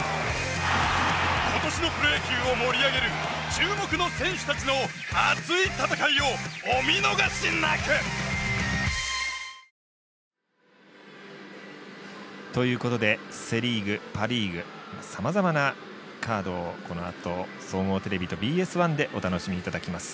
今年のプロ野球を盛り上げる注目の選手たちの熱い戦いをお見逃しなく！ということでセ・リーグ、パ・リーグさまざまなカードをこのあと総合テレビとＢＳ１でお楽しみいただきます。